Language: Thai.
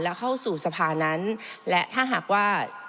และเข้าสู่สภานั้นและถ้าหากว่า